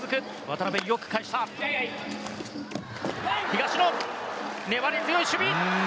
東野、粘り強い守備。